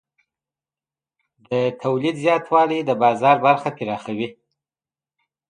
د تولید زیاتوالی د بازار برخه پراخوي.